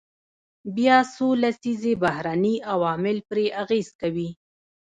بیا څو لسیزې بهرني عوامل پرې اغیز کوي.